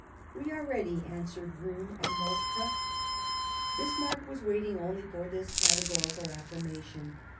" We are ready," answered Roon and Moltke. Bismarck was waiting only for this categorical affirmation.